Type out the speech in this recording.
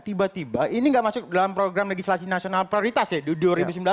tiba tiba ini nggak masuk dalam program legislasi nasional prioritas ya di dua ribu sembilan belas